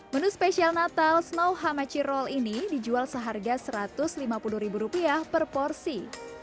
menu spesial natal snow hamachi roll ini dijual seharga satu ratus lima puluh per porsi